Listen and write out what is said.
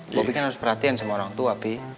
bobi kan harus perhatian sama orang tua pi